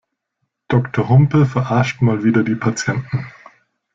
Doktor Humpe verarscht mal wieder die Patienten.